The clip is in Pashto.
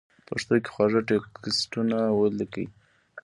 پښتو کې خواږه ټېکسټونه وليکئ!!